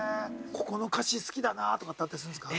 ここの歌詞好きだなぁとかってあったりするんですか？